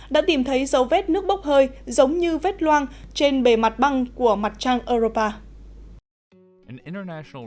đã tìm thấy dấu vết nước bốc hơi giống như vết loang trên bề mặt băng của mặt trăng europa